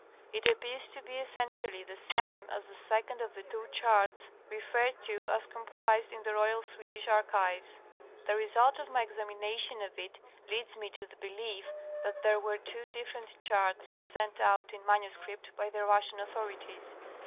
It appears to be essentially the same as the second of the two charts referred to as comprised in the Royal Swedish Archives. The result of my examination of it leads me to the belief that there were two dif ferent charts sent out in manuscript by the Russian authorities.